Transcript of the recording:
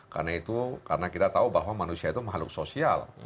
karena itu karena kita tahu bahwa manusia itu mahluk sosial